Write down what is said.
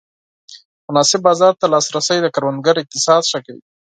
مناسب بازار ته لاسرسی د کروندګر اقتصاد ښه کوي.